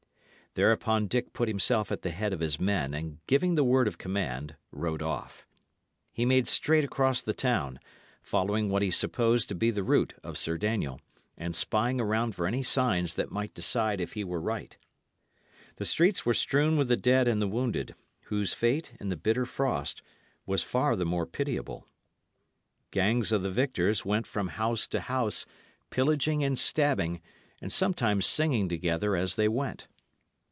Thereupon Dick put himself at the head of his men, and giving the word of command, rode off. He made straight across the town, following what he supposed to be the route of Sir Daniel, and spying around for any signs that might decide if he were right. The streets were strewn with the dead and the wounded, whose fate, in the bitter frost, was far the more pitiable. Gangs of the victors went from house to house, pillaging and stabbing, and sometimes singing together as they went.